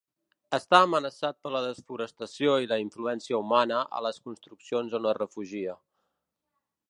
Està amenaçat per la desforestació i la influència humana a les construccions on es refugia.